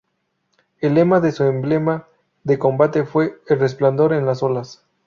El lema de su emblema de combate fue "El resplandor en las olas".